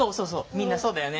みんなそうだよね。